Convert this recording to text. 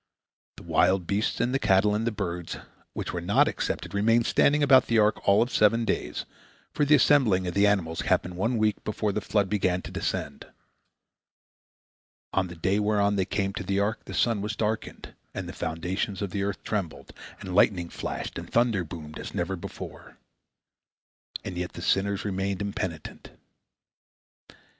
The wild beasts, and the cattle, and the birds which were not accepted remained standing about the ark all of seven days, for the assembling of the animals happened one week before the flood began to descend. On the day whereon they came to the ark, the sun was darkened, and the foundations of the earth trembled, and lightning flashed, and the thunder boomed, as never before. And yet the sinners remained impenitent.